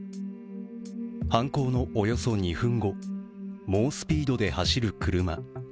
犯行のおよそ２分後、猛スピードで走る車。